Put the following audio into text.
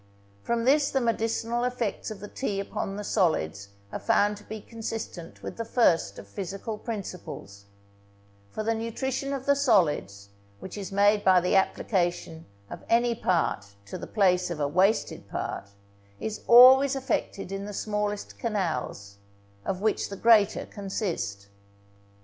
From this the medicinal effects of the tea upon the solids are found to be consistent with the first of physical principles; for the nutrition of the solids, which is made by the application of any part to the place of a wasted part, is always effected in the smallest canals, of which the greater consist.